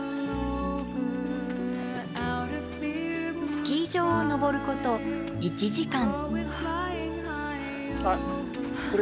スキー場を登ること１時間。